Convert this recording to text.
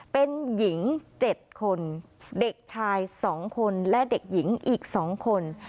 เป็นหญิง๗คนเด็กชาย๒คนและเด็กหญิงอีก๒คน